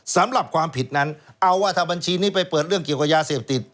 สำหรับความผิดนั้นเอาว่าถ้าบัญชีนี้ไปเปิดเรื่องเกี่ยวกับยาเสพติด